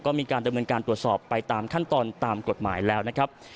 ก็มีการดำเนินการตรวจสอบไปตามขั้นตอนตามกฎหมายแล้วนะครับ